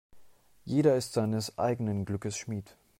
Jeder ist seines eigenen Glückes Schmied.